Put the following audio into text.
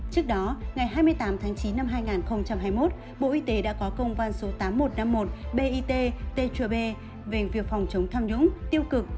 trước đó ngày hai mươi tám tháng chín năm hai nghìn hai mươi một bộ y tế đã có công văn số tám nghìn một trăm năm mươi một bit tgb về việc phòng chống tham nhũng tiêu cực